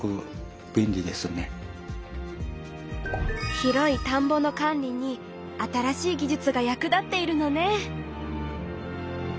広い田んぼの管理に新しいぎじゅつが役立っているのね！